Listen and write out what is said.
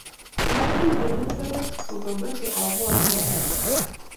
yoo lmite otore kogameche abwatwok kole